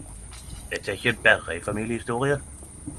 Dette er ikkje berre ei familiehistorie.